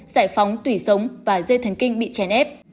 giải phóng tủy sống và dây thần kinh bị chèn ép